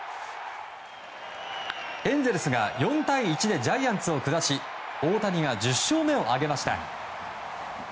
エンゼルスが４対１でジャイアンツを下し大谷が１０勝目を挙げました。